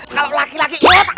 kalau laki laki yu tak